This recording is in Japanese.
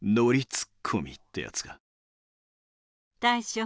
大将！